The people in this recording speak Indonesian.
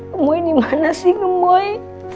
gemoy dimana sih gemoy